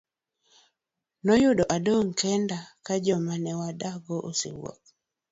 Noyudo adong' kenda ka joma ne wadak godo osewuok.